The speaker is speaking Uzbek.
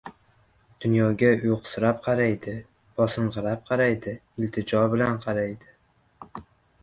Dunyoga uyqusirab qaraydi, bosinqirab qaraydi, iltijo bilan qaraydi.